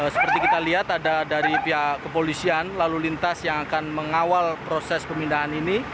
seperti kita lihat ada dari pihak kepolisian lalu lintas yang akan mengawal proses pemindahan ini